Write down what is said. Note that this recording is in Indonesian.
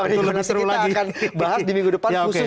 kita akan bahas di minggu depan khusus untuk bagaimana